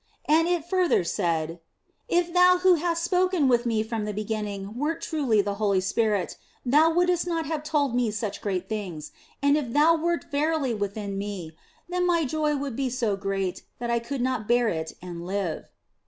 " And it said further, " If Thou who hast spoken with me from the beginning wert truly the Holy Spirit, Thou wouldst not have told me such great things ; and if Thou wert verily within me, then my joy would be so great that I could not bear it and live."